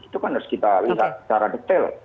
itu kan harus kita lihat secara detail